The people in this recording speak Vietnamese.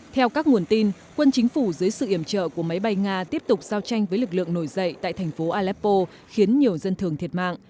theo các nguồn tin quân chính phủ dưới sự iểm trợ của máy bay nga tiếp tục giao tranh với lực lượng nổi dậy tại thành phố aleppo khiến nhiều dân thường thiệt mạng